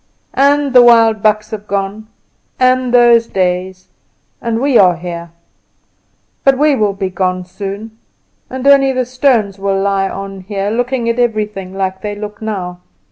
"And the wild bucks have gone, and those days, and we are here. But we will be gone soon, and only the stones will lie on here, looking at everything like they look now.